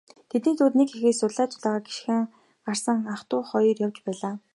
Тэдний дунд нэг эхээс зулай зулайгаа гишгэн гарсан ах дүү хоёр явж байлаа.